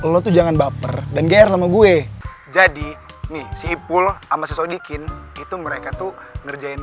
lo tuh jangan baper dan gair sama gue jadi nih sipul amat sedikit itu mereka tuh ngerjain